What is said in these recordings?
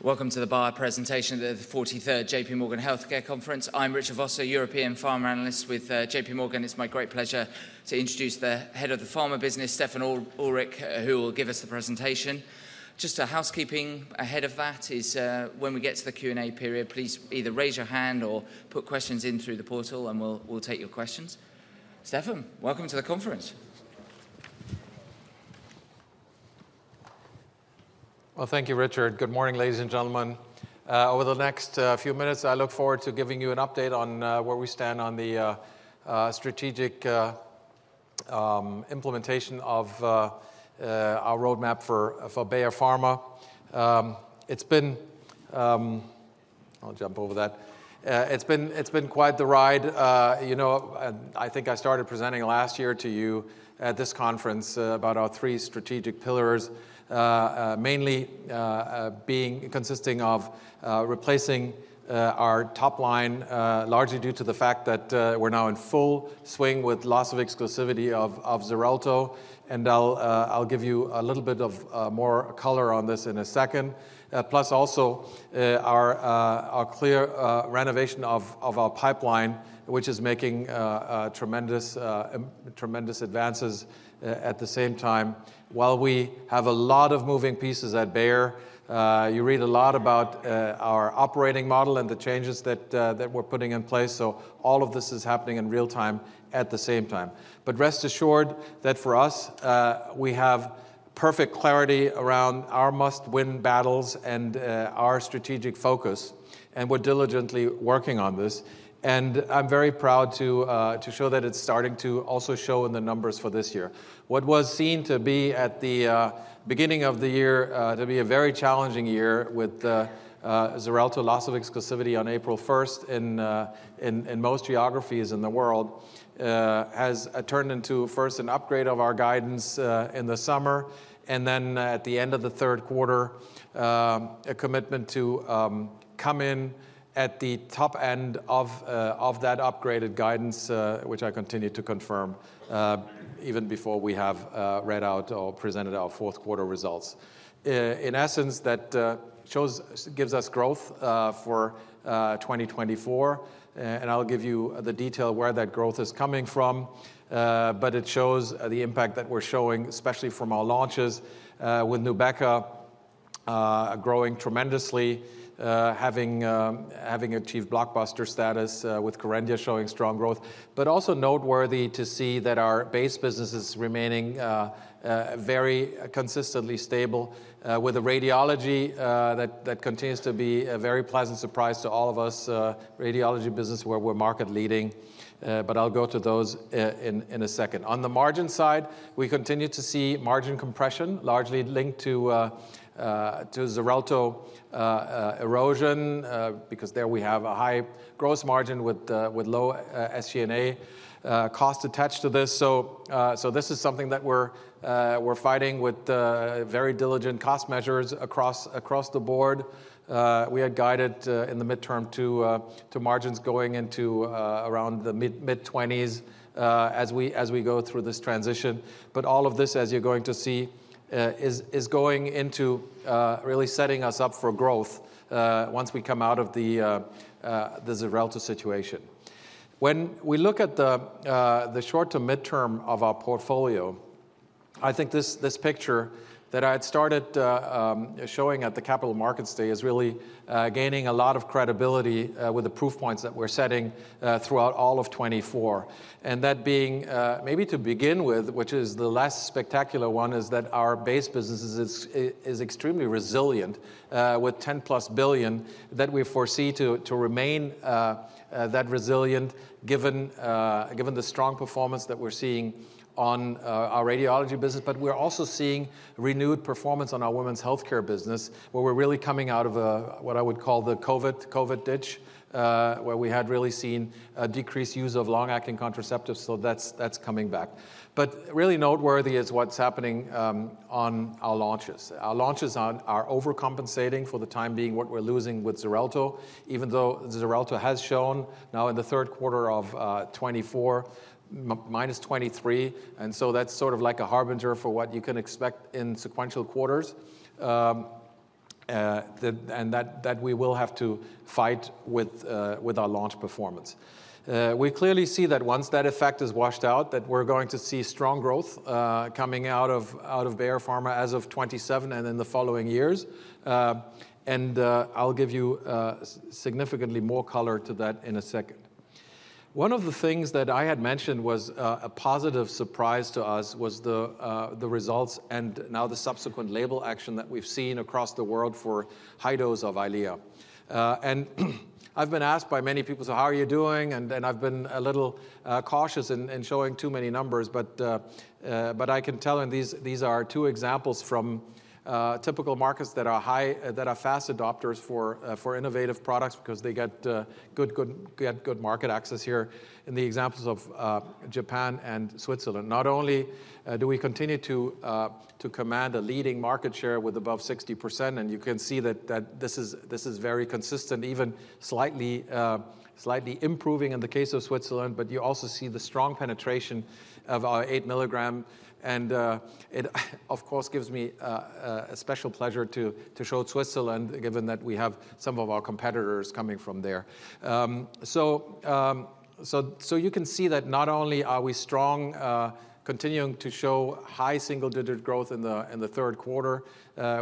Welcome to the Bayer Presentation at the 43rd JPMorgan Healthcare Conference. I'm Richard Vosser, European Pharma Analyst with JPMorgan. It's my great pleasure to introduce the head of the Pharma business, Stefan Oelrich, who will give us the presentation. Just a housekeeping ahead of that is, when we get to the Q&A period, please either raise your hand or put questions in through the portal, and we'll take your questions. Stefan, welcome to the conference. Thank you, Richard. Good morning, ladies and gentlemen. Over the next few minutes, I look forward to giving you an update on where we stand on the strategic implementation of our roadmap for Bayer Pharma. It's been quite the ride. I think I started presenting last year to you at this conference about our three strategic pillars, mainly consisting of replacing our top line, largely due to the fact that we're now in full swing with loss of exclusivity of Xarelto. I'll give you a little bit of more color on this in a second. Plus, also our clear renovation of our pipeline, which is making tremendous advances at the same time. While we have a lot of moving pieces at Bayer, you read a lot about our operating model and the changes that we're putting in place. So all of this is happening in real time at the same time. But rest assured that for us, we have perfect clarity around our must-win battles and our strategic focus, and we're diligently working on this. And I'm very proud to show that it's starting to also show in the numbers for this year. What was seen to be at the beginning of the year to be a very challenging year with Xarelto loss of exclusivity on April 1 in most geographies in the world has turned into, first, an upgrade of our guidance in the summer, and then at the end of the third quarter, a commitment to come in at the top end of that upgraded guidance, which I continue to confirm even before we have read out or presented our fourth quarter results. In essence, that gives us growth for 2024. And I'll give you the detail where that growth is coming from. But it shows the impact that we're showing, especially from our launches with Nubeqa, growing tremendously, having achieved blockbuster status with Kerendia showing strong growth. But also noteworthy to see that our base business is remaining very consistently stable with a radiology that continues to be a very pleasant surprise to all of us, radiology business, where we're market leading. But I'll go to those in a second. On the margin side, we continue to see margin compression, largely linked to Xarelto erosion, because there we have a high gross margin with low SG&A cost attached to this. So this is something that we're fighting with very diligent cost measures across the board. We had guided in the midterm to margins going into around the mid-20s as we go through this transition. But all of this, as you're going to see, is going into really setting us up for growth once we come out of the Xarelto situation. When we look at the short to midterm of our portfolio, I think this picture that I had started showing at the Capital Markets Day is really gaining a lot of credibility with the proof points that we're setting throughout all of 2024. And that being, maybe to begin with, which is the less spectacular one, is that our base business is extremely resilient with 10+ billion that we foresee to remain that resilient given the strong performance that we're seeing on our radiology business. But we're also seeing renewed performance on our women's healthcare business, where we're really coming out of what I would call the COVID ditch, where we had really seen a decreased use of long-acting contraceptives. So that's coming back. But really noteworthy is what's happening on our launches. Our launches are overcompensating for the time being what we're losing with Xarelto, even though Xarelto has shown now in the third quarter of 2024, -23%. And so that's sort of like a harbinger for what you can expect in sequential quarters and that we will have to fight with our launch performance. We clearly see that once that effect is washed out, that we're going to see strong growth coming out of Bayer Pharma as of 2027 and in the following years. And I'll give you significantly more color to that in a second. One of the things that I had mentioned was a positive surprise to us was the results and now the subsequent label action that we've seen across the world for high dose of Eylea. And I've been asked by many people, "So how are you doing?" And I've been a little cautious in showing too many numbers. But I can tell you these are two examples from typical markets that are fast adopters for innovative products because they get good market access here in the examples of Japan and Switzerland. Not only do we continue to command a leading market share with above 60%, and you can see that this is very consistent, even slightly improving in the case of Switzerland, but you also see the strong penetration of our 8 mg. And it, of course, gives me a special pleasure to show Switzerland, given that we have some of our competitors coming from there. So you can see that not only are we strong, continuing to show high single-digit growth in the third quarter.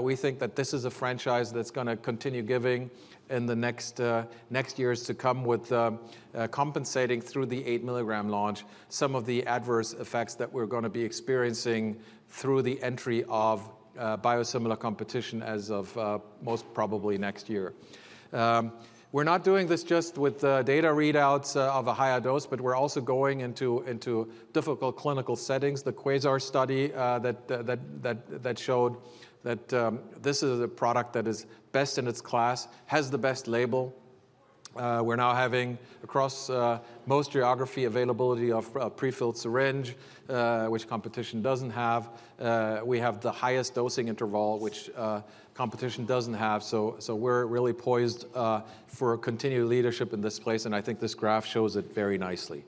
We think that this is a franchise that's going to continue giving in the next years to come with compensating through the 8 mg launch some of the adverse effects that we're going to be experiencing through the entry of biosimilar competition as of most probably next year. We're not doing this just with data readouts of a higher dose, but we're also going into difficult clinical settings. The QUASAR study that showed that this is a product that is best in its class has the best label. We're now having across most geographies availability of prefilled syringe, which competition doesn't have. We have the highest dosing interval, which competition doesn't have. So we're really poised for continued leadership in this space. And I think this graph shows it very nicely,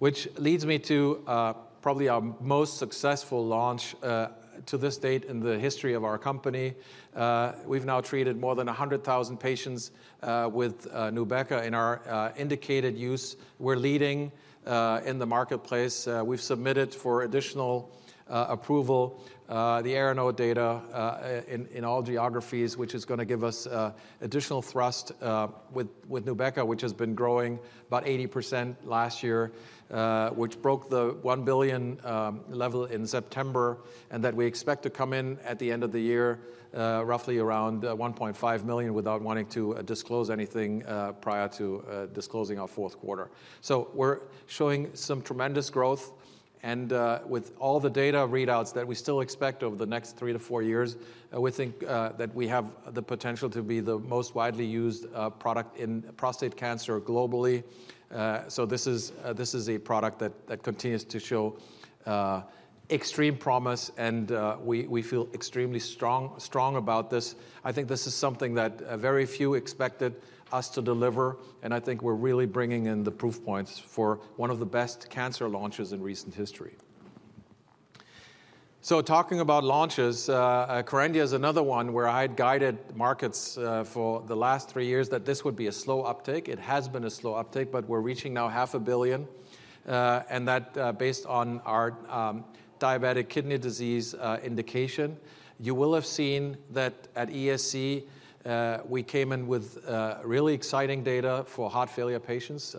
which leads me to probably our most successful launch to this date in the history of our company. We've now treated more than 100,000 patients with Nubeqa in our indicated use. We're leading in the marketplace. We've submitted for additional approval the ARASENS data in all geographies, which is going to give us additional thrust with Nubeqa, which has been growing about 80% last year, which broke the 1 billion level in September, and that we expect to come in at the end of the year roughly around 1.5 million without wanting to disclose anything prior to disclosing our fourth quarter. So we're showing some tremendous growth. With all the data readouts that we still expect over the next three to four years, we think that we have the potential to be the most widely used product in prostate cancer globally. So this is a product that continues to show extreme promise, and we feel extremely strong about this. I think this is something that very few expected us to deliver. And I think we're really bringing in the proof points for one of the best cancer launches in recent history. So talking about launches, Kerendia is another one where I had guided markets for the last three years that this would be a slow uptake. It has been a slow uptake, but we're reaching now 500 million. And that based on our diabetic kidney disease indication, you will have seen that at ESC, we came in with really exciting data for heart failure patients.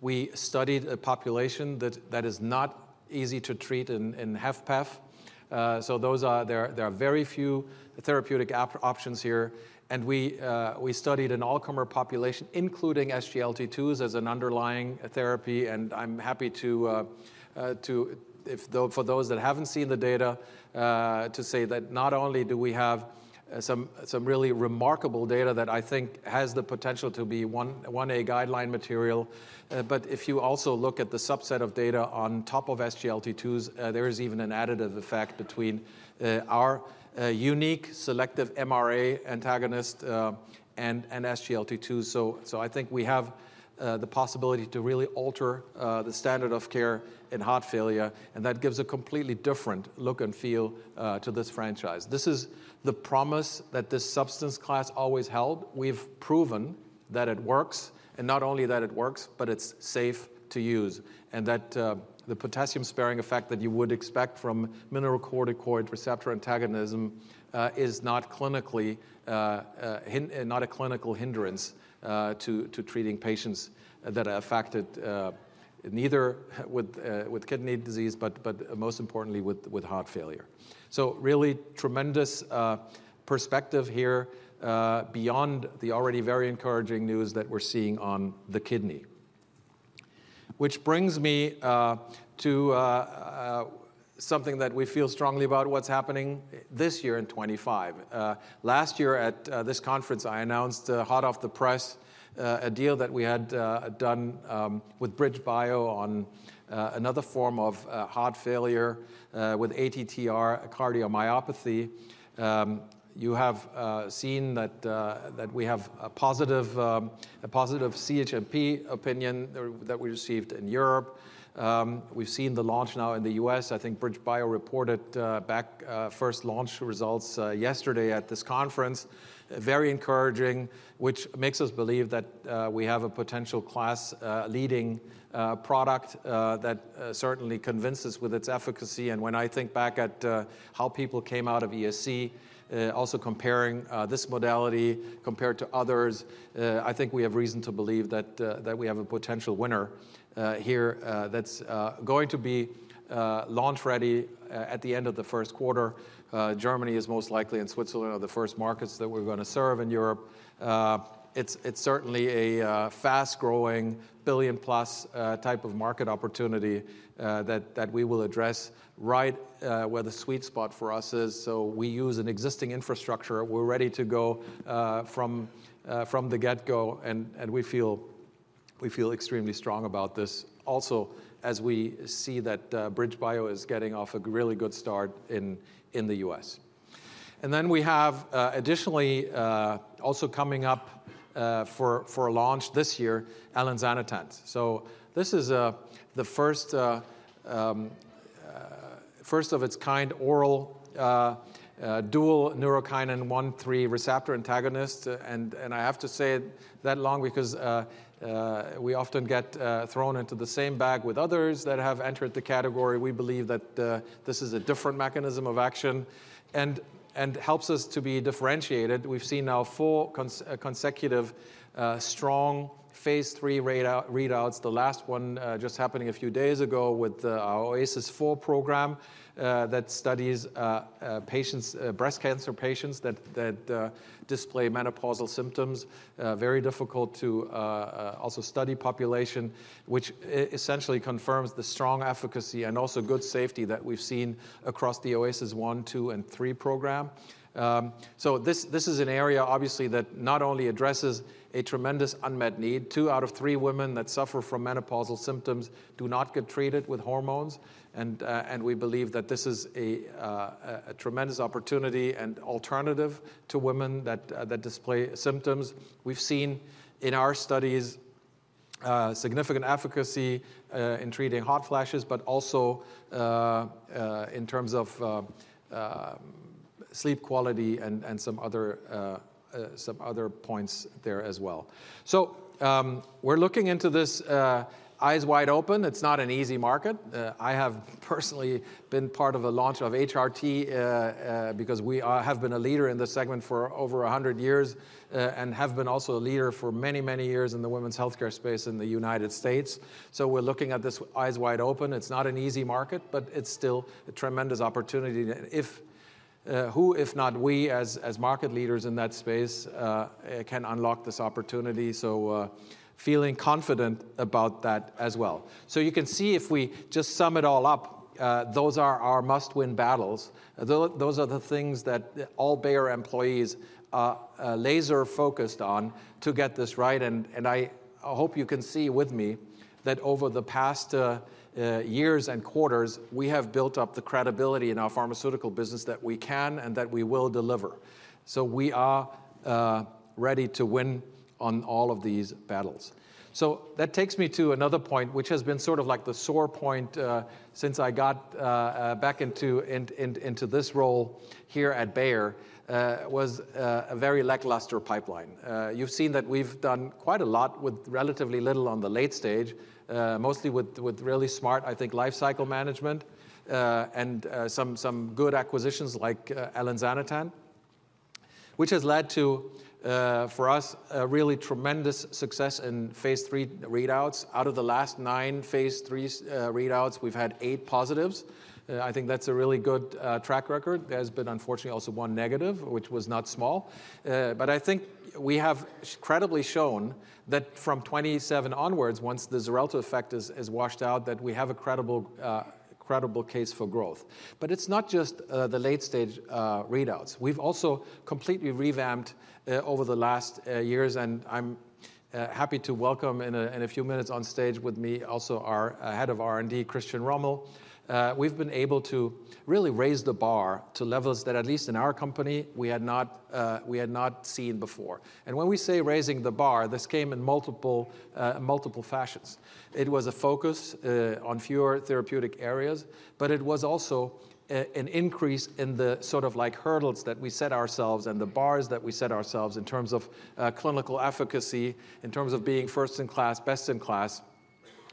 We studied a population that is not easy to treat in HFpEF. So there are very few therapeutic options here. And we studied an Alzheimer population, including SGLT2s as an underlying therapy. And I'm happy to, for those that haven't seen the data, to say that not only do we have some really remarkable data that I think has the potential to be 1A guideline material, but if you also look at the subset of data on top of SGLT2s, there is even an additive effect between our unique selective MRA antagonist and SGLT2s. So I think we have the possibility to really alter the standard of care in heart failure. And that gives a completely different look and feel to this franchise. This is the promise that this substance class always held. We've proven that it works. And not only that it works, but it's safe to use. And that the potassium-sparing effect that you would expect from mineralocorticoid receptor antagonism is not a clinical hindrance to treating patients that are affected neither with kidney disease, but most importantly with heart failure. So really tremendous perspective here beyond the already very encouraging news that we're seeing on the kidney, which brings me to something that we feel strongly about, what's happening this year in 2025. Last year at this conference, I announced hot off the press a deal that we had done with BridgeBio on another form of heart failure with ATTR, cardiomyopathy. You have seen that we have a +ve CHMP opinion that we received in Europe. We've seen the launch now in the U.S. I think BridgeBio reported back first launch results yesterday at this conference, very encouraging, which makes us believe that we have a potential class-leading product that certainly convinces with its efficacy. When I think back at how people came out of ESC, also comparing this modality compared to others, I think we have reason to believe that we have a potential winner here that's going to be launch ready at the end of the first quarter. Germany is most likely in Switzerland are the first markets that we're going to serve in Europe. It's certainly a fast-growing billion-plus type of market opportunity that we will address right where the sweet spot for us is. We use an existing infrastructure. We're ready to go from the get-go. We feel extremely strong about this also as we see that BridgeBio is getting off a really good start in the U.S.. Then we have additionally also coming up for launch this year, elinzanetant. This is the first of its kind oral dual neurokinin-1,3 receptor antagonist. I have to say that loud because we often get thrown into the same bag with others that have entered the category. We believe that this is a different mechanism of action and helps us to be differentiated. We've seen now four consecutive strong phase three readouts. The last one just happening a few days ago with our OASIS-4 program that studies breast cancer patients that display menopausal symptoms, very difficult-to-study population, which essentially confirms the strong efficacy and also good safety that we've seen across the OASIS-1, 2, and 3 program. This is an area obviously that not only addresses a tremendous unmet need. Two out of three women that suffer from menopausal symptoms do not get treated with hormones. We believe that this is a tremendous opportunity and alternative to women that display symptoms. We've seen in our studies significant efficacy in treating hot flashes, but also in terms of sleep quality and some other points there as well. So we're looking into this eyes wide open. It's not an easy market. I have personally been part of a launch of HRT because we have been a leader in the segment for over 100 years and have been also a leader for many, many years in the women's healthcare space in the United States. So we're looking at this eyes wide open. It's not an easy market, but it's still a tremendous opportunity. Who if not we as market leaders in that space can unlock this opportunity? So feeling confident about that as well. So you can see if we just sum it all up, those are our must-win battles. Those are the things that all Bayer employees are laser-focused on to get this right. And I hope you can see with me that over the past years and quarters, we have built up the credibility in our pharmaceutical business that we can and that we will deliver. So we are ready to win on all of these battles. So that takes me to another point, which has been sort of like the sore point since I got back into this role here at Bayer, was a very lackluster pipeline. You've seen that we've done quite a lot with relatively little on the late stage, mostly with really smart, I think, lifecycle management and some good acquisitions like Elinzanetant, which has led to, for us, a really tremendous success in phase three readouts. Out of the last nine phase three readouts, we've had eight positives. I think that's a really good track record. There has been unfortunately also one negative, which was not small. But I think we have credibly shown that from 2027 onwards, once the Xarelto effect is washed out, that we have a credible case for growth. But it's not just the late-stage readouts. We've also completely revamped over the last years. And I'm happy to welcome in a few minutes on stage with me also our head of R&D, Christian Rommel. We've been able to really raise the bar to levels that at least in our company, we had not seen before. And when we say raising the bar, this came in multiple fashions. It was a focus on fewer therapeutic areas, but it was also an increase in the sort of like hurdles that we set ourselves and the bars that we set ourselves in terms of clinical efficacy, in terms of being first in class, best in class,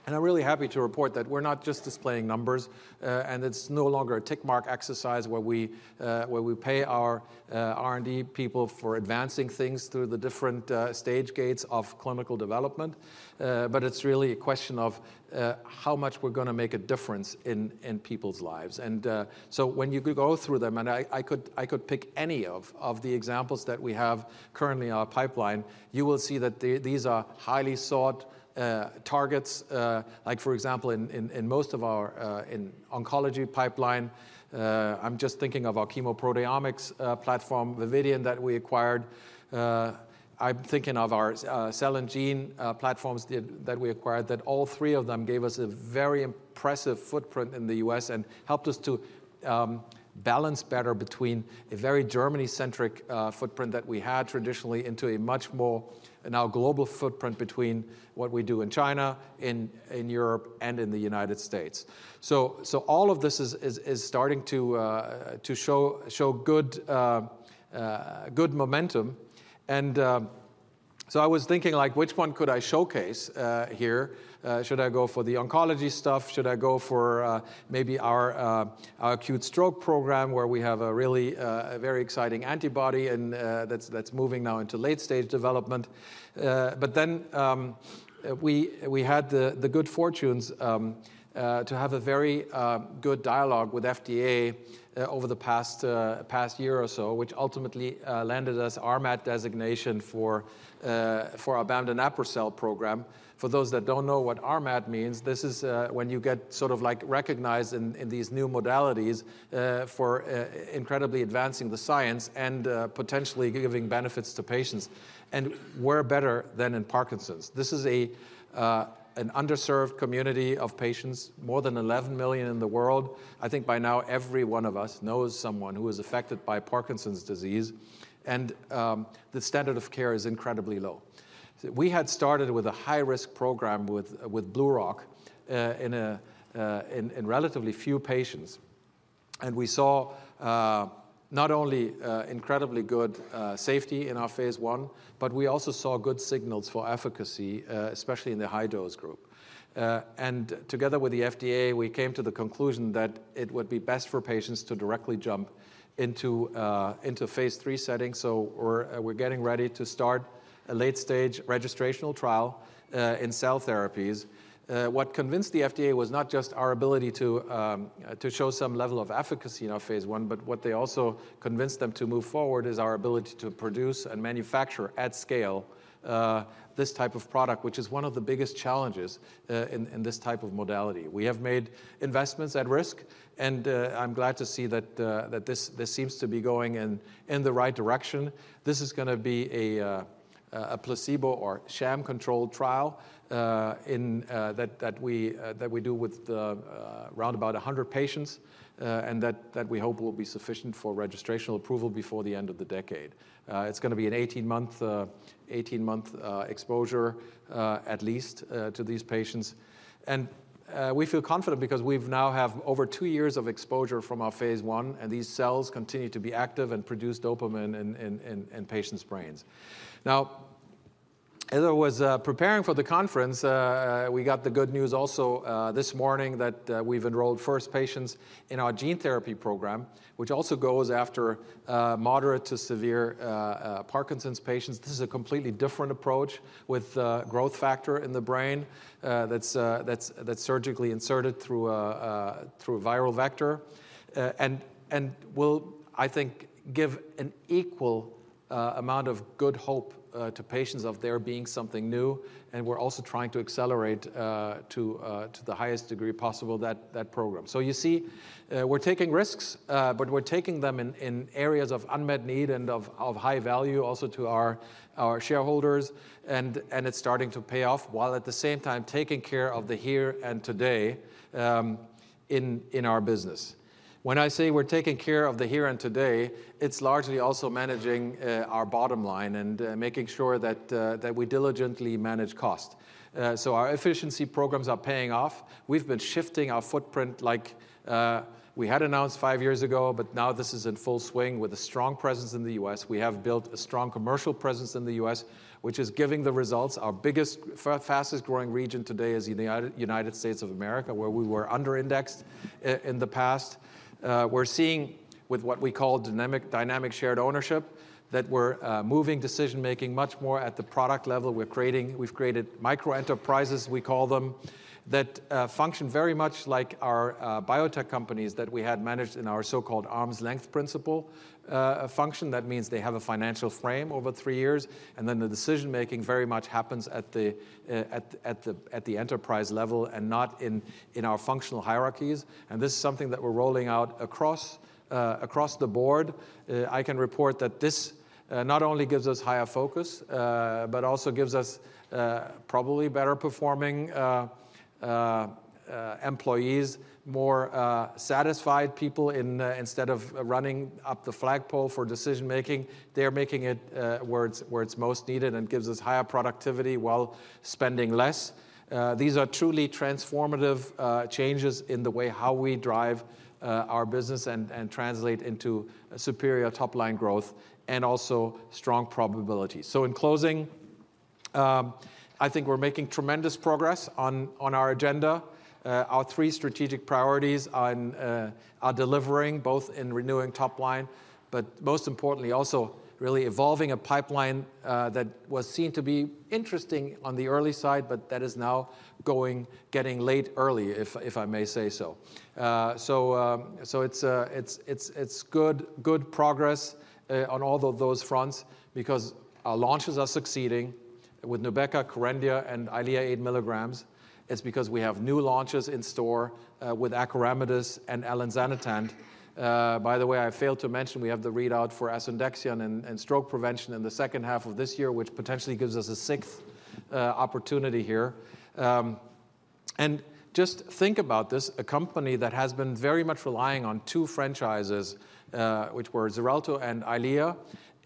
and I'm really happy to report that we're not just displaying numbers, and it's no longer a tick mark exercise where we pay our R&D people for advancing things through the different stage gates of clinical development, but it's really a question of how much we're going to make a difference in people's lives. And so when you go through them, and I could pick any of the examples that we have currently in our pipeline, you will see that these are highly sought targets. Like for example, in most of our oncology pipeline, I'm just thinking of our chemoproteomics platform, Vividion, that we acquired. I'm thinking of our cell and gene platforms that we acquired. That all three of them gave us a very impressive footprint in the U.S. and helped us to balance better between a very Germany-centric footprint that we had traditionally into a much more now global footprint between what we do in China, in Europe, and in the United States. So all of this is starting to show good momentum. And so I was thinking like, which one could I showcase here? Should I go for the oncology stuff? Should I go for maybe our acute stroke program where we have a really very exciting antibody that's moving now into late-stage development? But then we had the good fortune to have a very good dialogue with FDA over the past year or so, which ultimately landed us RMAT designation for our iPSC cell program. For those that don't know what RMAT means, this is when you get sort of like recognized in these new modalities for incredibly advancing the science and potentially giving benefits to patients. And we're in Parkinson's. This is an underserved community of patients, more than 11 million in the world. I think by now every one of us knows someone who is affected by Parkinson's disease. And the standard of care is incredibly low. We had started with a high-risk program with BlueRock in relatively few patients. And we saw not only incredibly good safety in our phase one, but we also saw good signals for efficacy, especially in the high-dose group. Together with the FDA, we came to the conclusion that it would be best for patients to directly jump into phase three setting. So we're getting ready to start a late-stage registrational trial in cell therapies. What convinced the FDA was not just our ability to show some level of efficacy in our phase one, but what they also convinced them to move forward is our ability to produce and manufacture at scale this type of product, which is one of the biggest challenges in this type of modality. We have made investments at risk. And I'm glad to see that this seems to be going in the right direction. This is going to be a placebo or sham control trial that we do with round about 100 patients. And that we hope will be sufficient for registrational approval before the end of the decade. It's going to be an 18-month exposure at least to these patients, and we feel confident because we now have over two years of exposure from our phase one. And these cells continue to be active and produce dopamine in patients' brains. Now, as I was preparing for the conference, we got the good news also this morning that we've enrolled first patients in our gene therapy program, which also goes after moderate to severe Parkinson's patients. This is a completely different approach with growth factor in the brain that's surgically inserted through a viral vector, and will, I think, give an equal amount of good hope to patients of there being something new, and we're also trying to accelerate to the highest degree possible that program, so you see, we're taking risks, but we're taking them in areas of unmet need and of high value also to our shareholders. It's starting to pay off while at the same time taking care of the here and today in our business. When I say we're taking care of the here and today, it's largely also managing our bottom line and making sure that we diligently manage cost. Our efficiency programs are paying off. We've been shifting our footprint like we had announced five years ago, but now this is in full swing with a strong presence in the U.S. We have built a strong commercial presence in the U.S., which is giving the results. Our biggest, fastest growing region today is the United States of America, where we were under-indexed in the past. We're seeing with what we call Dynamic Shared Ownership that we're moving decision-making much more at the product level. We've created microenterprises, we call them, that function very much like our biotech companies that we had managed in our so-called arm's length principle function. That means they have a financial frame over three years. And then the decision-making very much happens at the enterprise level and not in our functional hierarchies. And this is something that we're rolling out across the board. I can report that this not only gives us higher focus, but also gives us probably better performing employees, more satisfied people instead of running up the flagpole for decision-making. They're making it where it's most needed and gives us higher productivity while spending less. These are truly transformative changes in the way how we drive our business and translate into superior top-line growth and also strong probability. So in closing, I think we're making tremendous progress on our agenda. Our three strategic priorities are delivering both in renewing top line, but most importantly also really evolving a pipeline that was seen to be interesting on the early side, but that is now getting late early, if I may say so. So it's good progress on all of those fronts because our launches are succeeding with Nubeqa, Kerendia, and Eylea 8 mg. It's because we have new launches in store with Acoramidis and Elinzanetant. By the way, I failed to mention we have the readout for Asundexian and stroke prevention in the second half of this year, which potentially gives us a sixth opportunity here. And just think about this. A company that has been very much relying on two franchises, which were Xarelto and Eylea,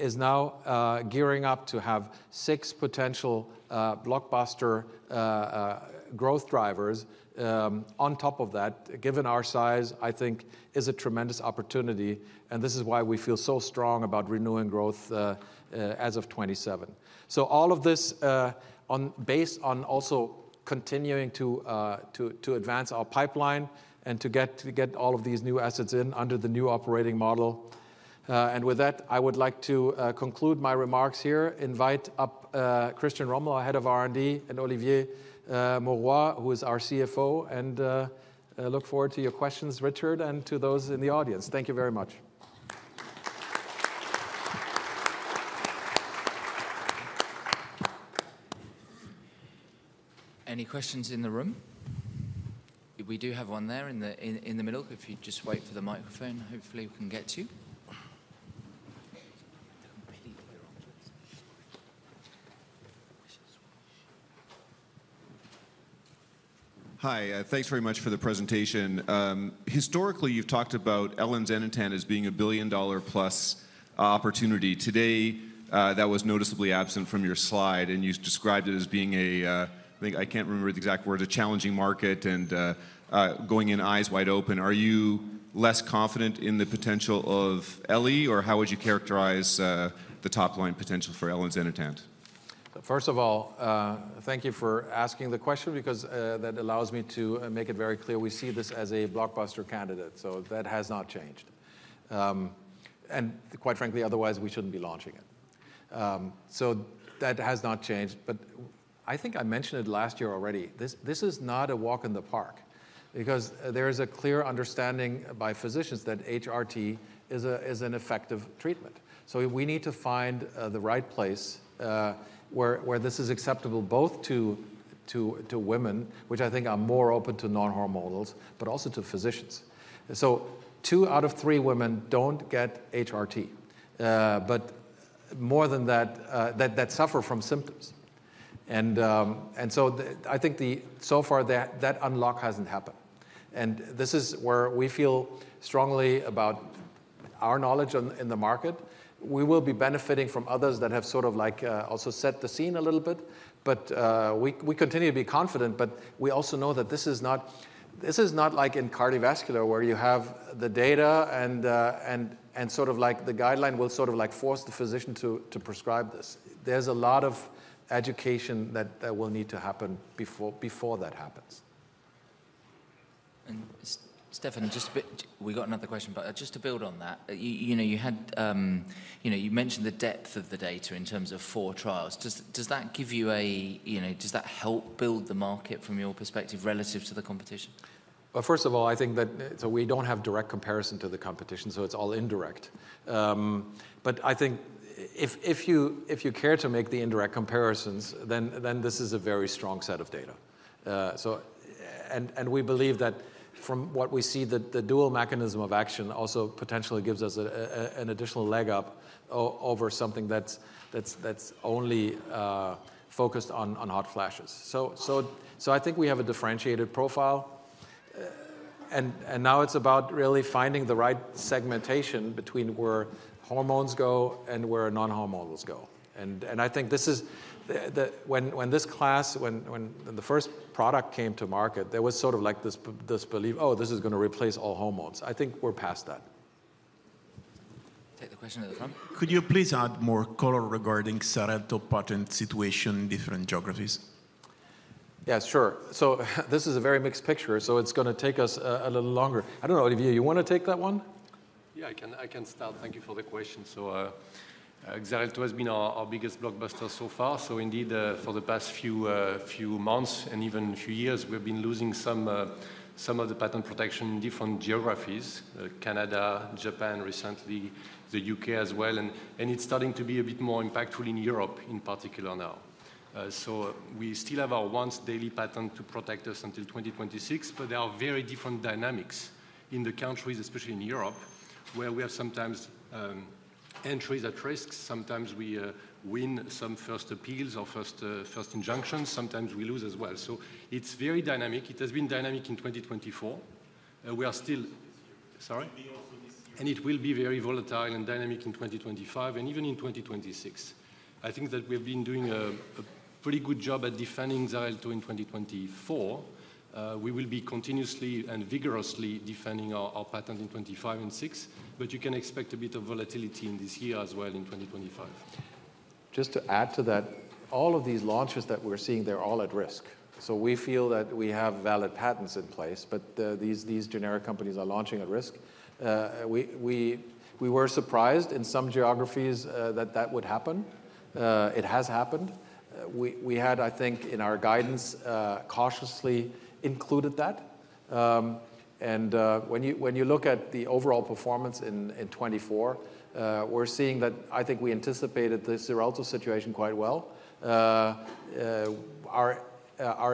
is now gearing up to have six potential blockbuster growth drivers. On top of that, given our size, I think is a tremendous opportunity. This is why we feel so strong about renewing growth as of 2027. All of this based on also continuing to advance our pipeline and to get all of these new assets in under the new operating model. With that, I would like to conclude my remarks here, invite up Christian Rommel, our Head of R&D, and Olivier Mauroy, who is our CFO. Look forward to your questions, Richard, and to those in the audience. Thank you very much. Any questions in the room? We do have one there in the middle. If you just wait for the microphone, hopefully we can get to. Hi. Thanks very much for the presentation. Historically, you've talked about elinzanetant as being a billion-dollar-plus opportunity. Today, that was noticeably absent from your slide, and you described it as being a, I can't remember the exact words, a challenging market and going in eyes wide open. Are you less confident in the potential of Eylea? Or how would you characterize the top-line potential for elinzanetant? First of all, thank you for asking the question because that allows me to make it very clear. We see this as a blockbuster candidate. So that has not changed. And quite frankly, otherwise we shouldn't be launching it. So that has not changed. But I think I mentioned it last year already. This is not a walk in the park because there is a clear understanding by physicians that HRT is an effective treatment. So we need to find the right place where this is acceptable both to women, which I think are more open to non-hormonals, but also to physicians. So two out of three women don't get HRT, but more than that, that suffer from symptoms. And so I think so far that unlock hasn't happened. And this is where we feel strongly about our knowledge in the market. We will be benefiting from others that have sort of like also set the scene a little bit. But we continue to be confident. But we also know that this is not like in cardiovascular where you have the data and sort of like the guideline will sort of like force the physician to prescribe this. There's a lot of education that will need to happen before that happens. Stefan, just a bit, we got another question. But just to build on that, you mentioned the depth of the data in terms of four trials. Does that help build the market from your perspective relative to the competition? First of all, I think that we don't have direct comparison to the competition. So it's all indirect. But I think if you care to make the indirect comparisons, then this is a very strong set of data. And we believe that from what we see, the dual mechanism of action also potentially gives us an additional leg up over something that's only focused on hot flashes. So I think we have a differentiated profile. And now it's about really finding the right segmentation between where hormones go and where non-hormonals go. And I think this is when this class, when the first product came to market, there was sort of like this belief, oh, this is going to replace all hormones. I think we're past that. Take the question at the front. Could you please add more color regarding Xarelto patent situation in different geographies? Yeah, sure. So this is a very mixed picture. So it's going to take us a little longer. I don't know, Olivier, you want to take that one? Yeah, I can start. Thank you for the question. So Xarelto has been our biggest blockbuster so far. So indeed, for the past few months and even a few years, we've been losing some of the patent protection in different geographies, Canada, Japan recently, the U.K. as well. And it's starting to be a bit more impactful in Europe in particular now. So we still have our once daily patent to protect us until 2026. But there are very different dynamics in the countries, especially in Europe, where we have sometimes entries at risk. Sometimes we win some first appeals or first injunctions. Sometimes we lose as well. So it's very dynamic. It has been dynamic in 2024. We are still, sorry? And it will be very volatile and dynamic in 2025 and even in 2026. I think that we have been doing a pretty good job at defending Xarelto in 2024. We will be continuously and vigorously defending our patent in 2025 and 2026. But you can expect a bit of volatility in this year as well in 2025. Just to add to that, all of these launches that we're seeing, they're all at risk. So we feel that we have valid patents in place. But these generic companies are launching at risk. We were surprised in some geographies that that would happen. It has happened. We had, I think, in our guidance, cautiously included that. And when you look at the overall performance in 2024, we're seeing that I think we anticipated the Xarelto situation quite well. Our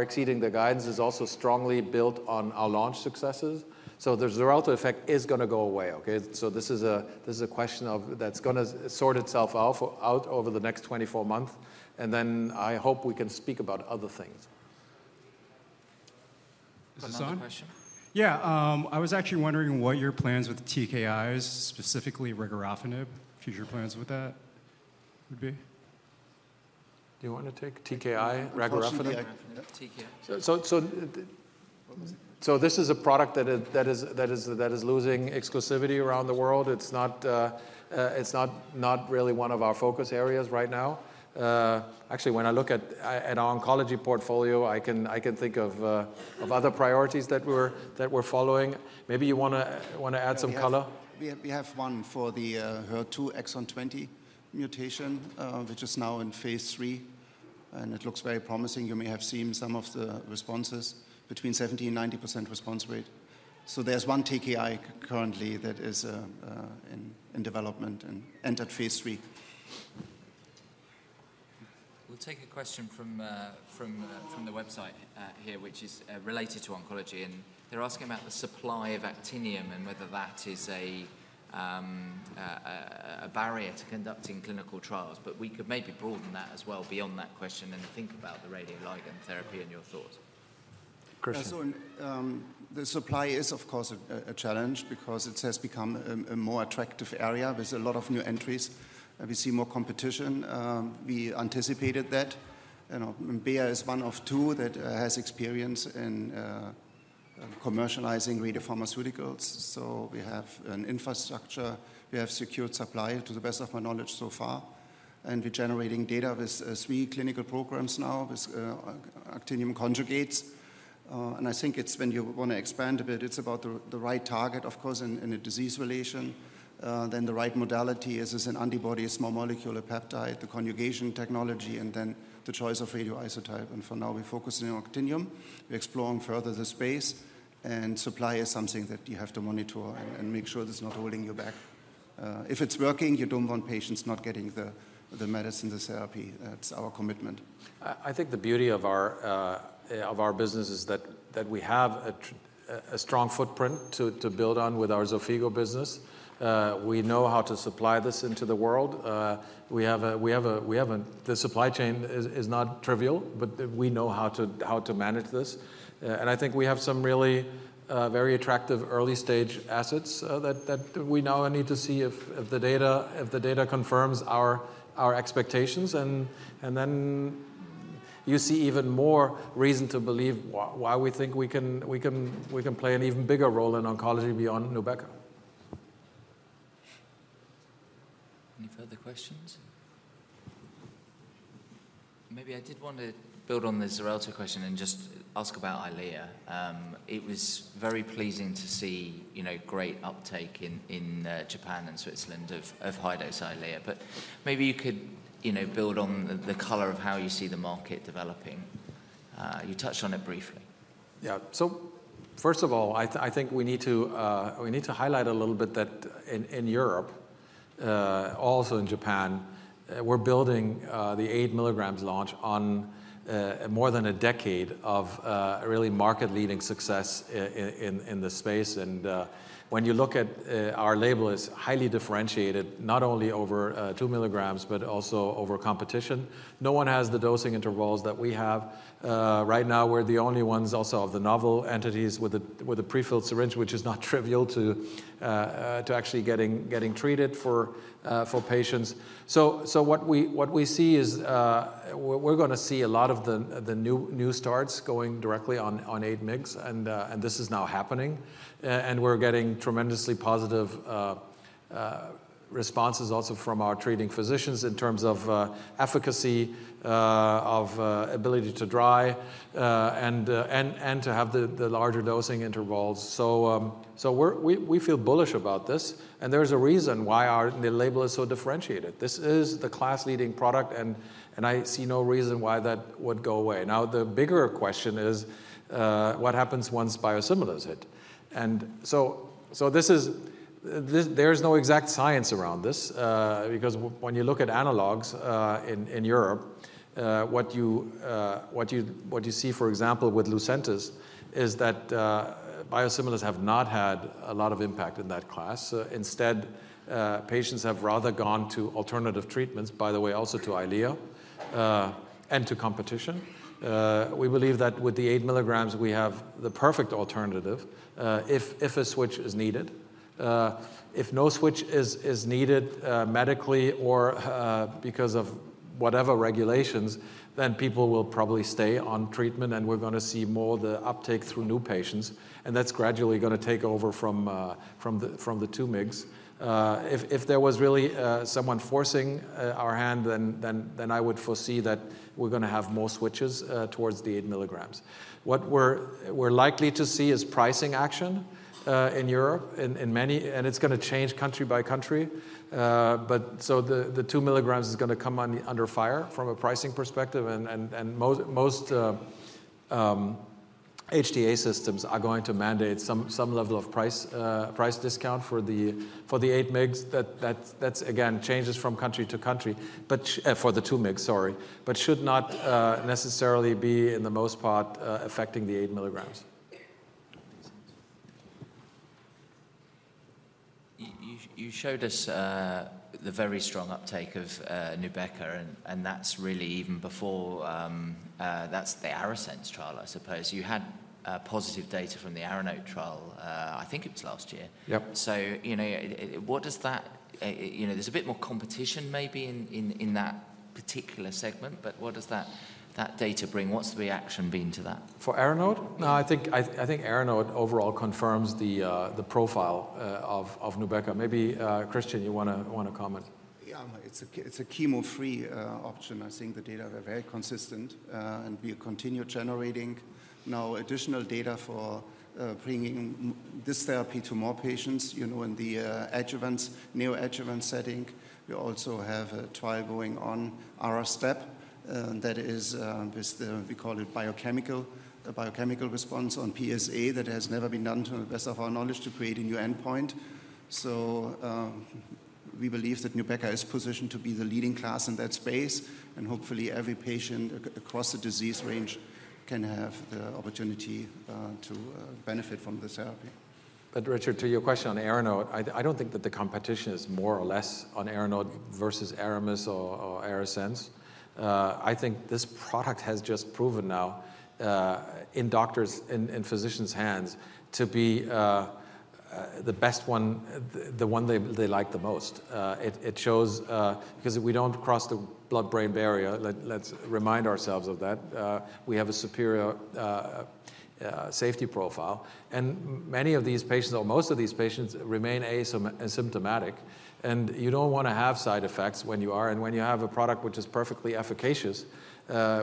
exceeding the guidance is also strongly built on our launch successes. So the Xarelto effect is going to go away. So this is a question that's going to sort itself out over the next 24 months. And then I hope we can speak about other things. Hassan? Yeah. I was actually wondering what your plans with TKI is, specifically Regorafenib. Future plans with that would be? Do you want to take TKI, Regorafenib? So this is a product that is losing exclusivity around the world. It's not really one of our focus areas right now. Actually, when I look at our oncology portfolio, I can think of other priorities that we're following. Maybe you want to add some color? We have one for the HER2 exon 20 mutation, which is now in phase III, and it looks very promising. You may have seen some of the responses between 70%-90% response rate, so there's one TKI currently that is in development and entered phase III. We'll take a question from the website here, which is related to oncology, and they're asking about the supply of actinium and whether that is a barrier to conducting clinical trials, but we could maybe broaden that as well beyond that question and think about the radioligand therapy and your thoughts. The supply is, of course, a challenge because it has become a more attractive area. There's a lot of new entries. We see more competition. We anticipated that. Bayer is one of two that has experience in commercializing radiopharmaceuticals. So we have an infrastructure. We have secured supply to the best of my knowledge so far. And we're generating data with three clinical programs now with actinium conjugates. And I think it's when you want to expand a bit, it's about the right target, of course, in a disease relation. Then the right modality is an antibody, small molecule peptide, the conjugation technology, and then the choice of radioisotope. And for now, we focus on actinium. We're exploring further the space. And supply is something that you have to monitor and make sure it's not holding you back. If it's working, you don't want patients not getting the medicine, the therapy. That's our commitment. I think the beauty of our business is that we have a strong footprint to build on with our Xofigo business. We know how to supply this into the world. The supply chain is not trivial, but we know how to manage this. And I think we have some really very attractive early-stage assets that we now need to see if the data confirms our expectations. And then you see even more reason to believe why we think we can play an even bigger role in oncology beyond Nubeqa. Any further questions? Maybe I did want to build on the Xarelto question and just ask about Eylea. It was very pleasing to see great uptake in Japan and Switzerland of high-dose Eylea. But maybe you could build on the color of how you see the market developing. You touched on it briefly. Yeah. So first of all, I think we need to highlight a little bit that in Europe, also in Japan, we're building the 8 mg launch on more than a decade of really market-leading success in the space. And when you look at our label, it's highly differentiated, not only over 2 mg, but also over competition. No one has the dosing intervals that we have. Right now, we're the only ones also of the novel entities with a prefilled syringe, which is not trivial to actually getting treated for patients. So what we see is we're going to see a lot of the new starts going directly on 8 mg. And this is now happening. And we're getting tremendously positive responses also from our treating physicians in terms of efficacy, of ability to dry, and to have the larger dosing intervals. So we feel bullish about this. There's a reason why the label is so differentiated. This is the class-leading product. I see no reason why that would go away. Now, the bigger question is what happens once biosimilars hit. So there is no exact science around this. Because when you look at analogs in Europe, what you see, for example, with Lucentis is that biosimilars have not had a lot of impact in that class. Instead, patients have rather gone to alternative treatments, by the way, also to Eylea and to competition. We believe that with the 8 milligrams, we have the perfect alternative if a switch is needed. If no switch is needed medically or because of whatever regulations, then people will probably stay on treatment. We're going to see more of the uptake through new patients. That's gradually going to take over from the 2 mg. If there was really someone forcing our hand, then I would foresee that we're going to have more switches towards the 8 mg. What we're likely to see is pricing action in Europe, and it's going to change country by country, so the 2mg is going to come under fire from a pricing perspective, and most HTA systems are going to mandate some level of price discount for the 8 mg. That's, again, changes from country to country, for the 2 mg, sorry, but should not necessarily, for the most part, be affecting the 8 mg. You showed us the very strong uptake of Nubeqa. And that's really even before that's the ARASENS trial, I suppose. You had positive data from the ARANOTE trial, I think it was last year. So what does that, there's a bit more competition maybe in that particular segment. But what does that data bring? What's the reaction been to that? For ARANOTE? I think ARANOTE overall confirms the profile of Nubeqa. Maybe Christian, you want to comment? Yeah, it's a chemo-free option. I think the data are very consistent. We continue generating now additional data for bringing this therapy to more patients in the adjuvant, neoadjuvant setting. We also have a trial going on, ARASTEP. That is, we call it biochemical response on PSA that has never been done to the best of our knowledge to create a new endpoint. So we believe that Nubeqa is positioned to be the leading class in that space. Hopefully, every patient across the disease range can have the opportunity to benefit from the therapy. But Richard, to your question on ARANOTE, I don't think that the competition is more or less on ARASENS versus ARAMIS or ARASENS. I think this product has just proven now in doctors, in physicians' hands to be the best one, the one they like the most. It shows because we don't cross the blood-brain barrier. Let's remind ourselves of that. We have a superior safety profile. And many of these patients, or most of these patients, remain asymptomatic. And you don't want to have side effects when you are. And when you have a product which is perfectly efficacious,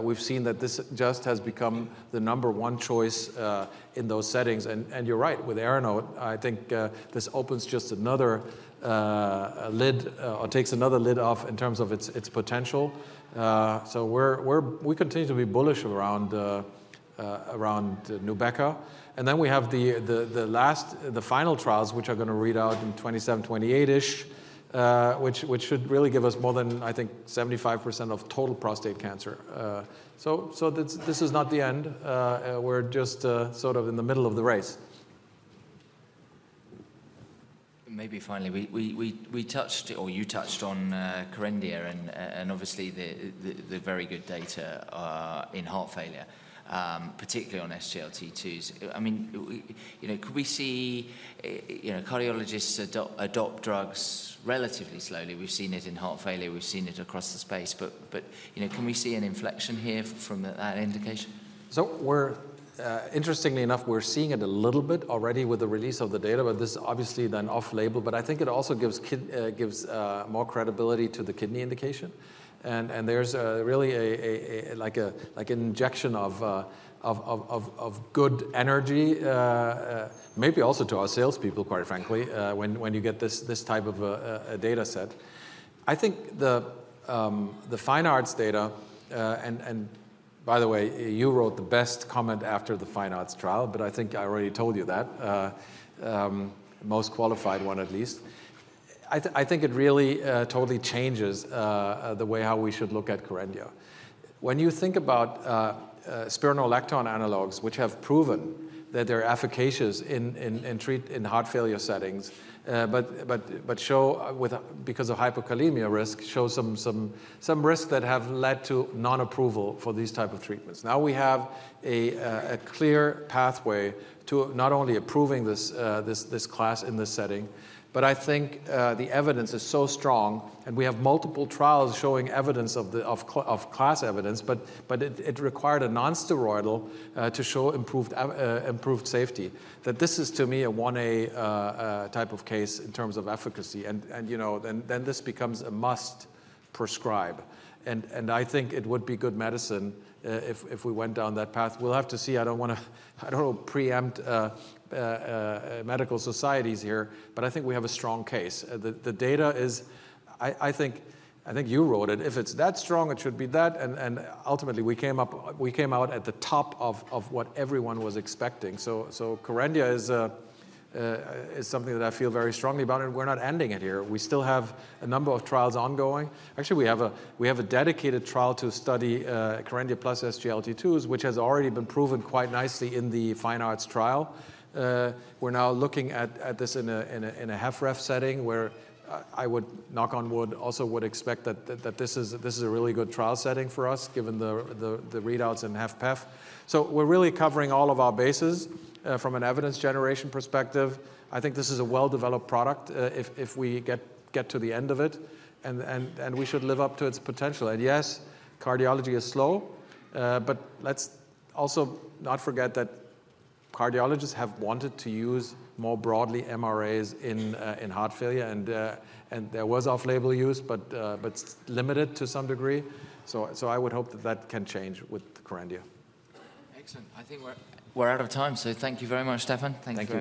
we've seen that this just has become the number one choice in those settings. And you're right. With ARANOTE, I think this opens just another lid or takes another lid off in terms of its potential. So we continue to be bullish around Nubeqa. And then we have the final trials, which are going to read out in 2027, 2028-ish, which should really give us more than, I think, 75% of total prostate cancer. So this is not the end. We're just sort of in the middle of the race. Maybe finally, we touched, or you touched on Kerendia. And obviously, the very good data in heart failure, particularly on SGLT2s. I mean, could we see cardiologists adopt drugs relatively slowly? We've seen it in heart failure. We've seen it across the space. But can we see an inflection here from that indication? So interestingly enough, we're seeing it a little bit already with the release of the data. But this is obviously then off-label. But I think it also gives more credibility to the kidney indication. And there's really like an injection of good energy, maybe also to our salespeople, quite frankly, when you get this type of a data set. I think the FINEARTS data, and by the way, you wrote the best comment after the FINEARTS trial. But I think I already told you that, most qualified one at least. I think it really totally changes the way how we should look at Kerendia. When you think about spironolactone analogs, which have proven that they're efficacious in heart failure settings, but show, because of hypokalemia risk, show some risk that have led to non-approval for these types of treatments. Now we have a clear pathway to not only approving this class in this setting, but I think the evidence is so strong, and we have multiple trials showing evidence of class evidence. But it required a non-steroidal to show improved safety. That this is, to me, a 1A type of case in terms of efficacy, and then this becomes a must prescribe. And I think it would be good medicine if we went down that path. We'll have to see. I don't want to preempt medical societies here, but I think we have a strong case. The data is, I think you wrote it. If it's that strong, it should be that. And ultimately, we came out at the top of what everyone was expecting, so Kerendia is something that I feel very strongly about, and we're not ending it here. We still have a number of trials ongoing. Actually, we have a dedicated trial to study Kerendia plus SGLT2s, which has already been proven quite nicely in the FINEARTS-HF trial. We're now looking at this in a HFrEF setting, where I would knock on wood, also would expect that this is a really good trial setting for us, given the readouts in HFpEF. So we're really covering all of our bases from an evidence generation perspective. I think this is a well-developed product if we get to the end of it, and we should live up to its potential, and yes, cardiology is slow, but let's also not forget that cardiologists have wanted to use more broadly MRAs in heart failure. And there was off-label use, but limited to some degree, so I would hope that that can change with Kerendia. Excellent. I think we're out of time. So thank you very much, Stefan. Thank you.